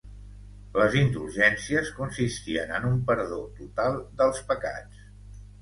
Les indulgències consistien en un perdó total dels pecats.